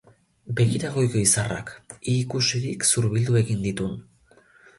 Begira goiko izarrak: hi ikusirik zurbildu egin ditun.